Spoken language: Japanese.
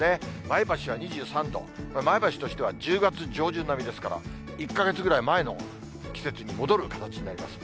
前橋は２３度、前橋としては１０月上旬並みですから、１か月ぐらい前の季節に戻る形になります。